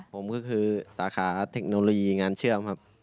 ผมก็คือสาขาเทคโนโลยีงานเชื่อมครับ